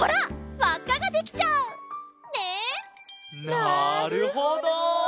なるほど！